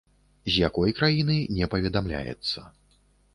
З якой краіны, не паведамляецца.